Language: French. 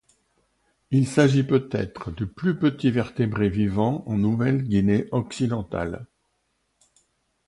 Il s'agit peut être du plus petit vertébré vivant en Nouvelle-Guinée occidentale.